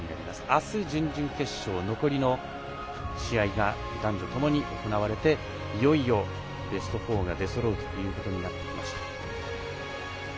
明日準々決勝残りの試合が男女ともに行われていよいよベスト４が出そろうことになってきました。